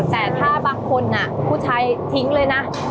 แต่ถ้าบางคนผู้ชายทิ้งเลยนะ